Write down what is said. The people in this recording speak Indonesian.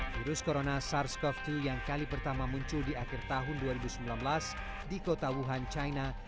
virus corona sars cov dua yang kali pertama muncul di akhir tahun dua ribu sembilan belas di kota wuhan china